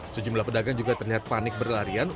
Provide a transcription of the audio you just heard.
sejumlah pedagang juga terlihat panik berlarian